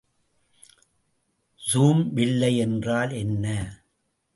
Zoom வில்லை என்றால் என்ன?